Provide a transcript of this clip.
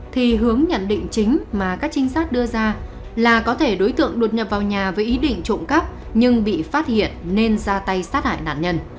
thì hướng nhận định chính mà các trinh sát đưa ra là có thể đối tượng đột nhập vào nhà với ý định trộm cắp nhưng bị phát hiện nên ra tay sát hại nạn nhân